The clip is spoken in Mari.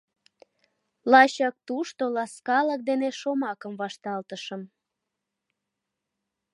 Лачак тушто ласкалык дене шомакым вашталтышым.